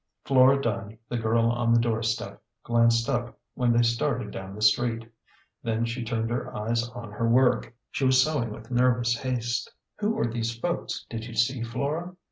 Flora Dunn, the girl on the door step, glanced up when they started down the street ; then she turned her eyes on her work ; she was sewing with nervous haste. " Who were those folks, did you see, Flora